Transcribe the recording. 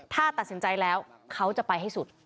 ถ้าตัดสินใจแล้วเขาจะไปให้สุด